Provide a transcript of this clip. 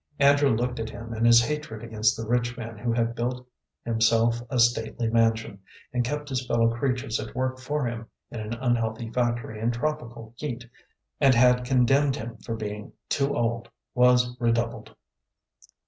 Andrew looked at him, and his hatred against the rich man who had built himself a stately mansion, and kept his fellow creatures at work for him in an unhealthy factory in tropical heat, and had condemned him for being too old, was redoubled.